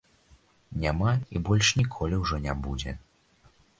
Няма і больш ніколі ўжо не будзе.